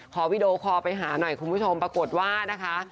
วีดีโอคอลไปหาหน่อยคุณผู้ชมปรากฏว่านะคะ